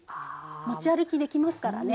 持ち歩きできますからね。